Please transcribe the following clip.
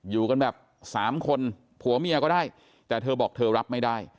อยู่กันแบบสามคนผัวเมียก็ได้แต่เธอบอกเธอรับไม่ได้